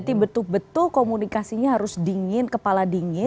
jadi betul betul komunikasinya harus dingin kepala dingin